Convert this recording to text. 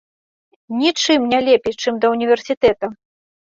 Нічым не лепей, чым да ўніверсітэта!